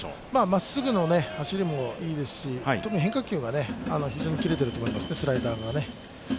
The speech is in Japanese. まっすぐの走りもいいですし、特に変化球が非常に切れていますね、スライダーもね。